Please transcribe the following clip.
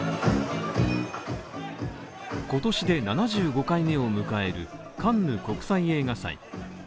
今年で７５回目を迎えるカンヌ国際映画祭。